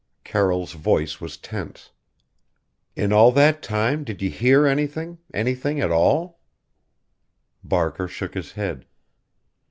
Carroll's voice was tense. "In all that time did you hear anything anything at all?" Barker shook his head.